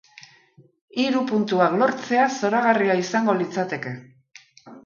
Hiru puntuak lortzea zoragarria izango litzateke.